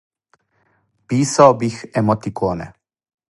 Писао бих емотиконе!